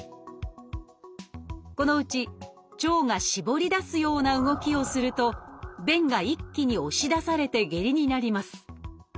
このうち腸が絞り出すような動きをすると便が一気に押し出されて下痢になります。